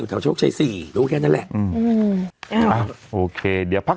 แถวโชคชัยสี่รู้แค่นั้นแหละอืมอ่าโอเคเดี๋ยวพัก